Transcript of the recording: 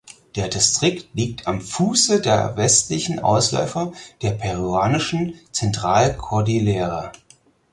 Der Distrikt liegt am Fuße der westlichen Ausläufer der peruanischen Zentralkordillere.